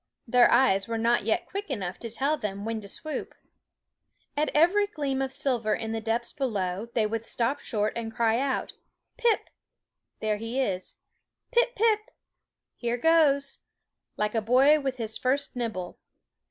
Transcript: Their eyes were not yet quick enough to tell them when to swoop. At every gleam of silver in the depths below they would stop short and cry out: Pip! " there he is! " Pip, pip! " here goes !" like a boy with his first nibble.